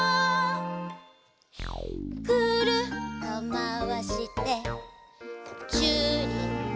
「くるっとまわしてチューリップ」